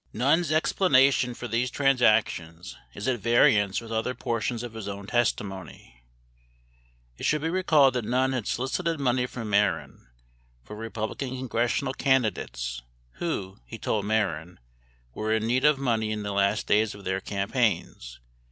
Nunn's explanation for these transactions is at variance with other portions of his own testimony. It should be recalled that Nunn had solicited money from Mehren for Republican congressional candi dates who, he told Mehren, were in need of money in the last days of their campaigns.